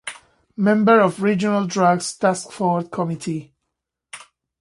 Member of Regional Drugs Taskforce committee.